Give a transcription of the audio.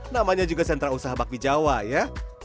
namanya juga sentra usaha bakmi jawa ya